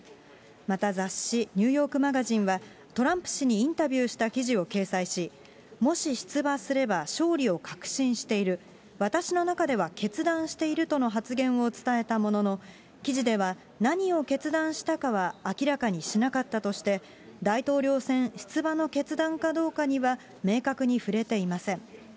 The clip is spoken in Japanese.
また、雑誌、ニューヨークマガジンは、トランプ氏にインタビューした記事を掲載し、もし出馬すれば、勝利を確信している、私の中では決断しているとの発言を伝えたものの、記事では、何を決断したかは明らかにしなかったとして、大統領選出馬の決断かどうかには、明確に触れていません。